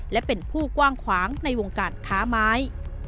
และเป็นผู้กว้างขวางในวงการค้าไม้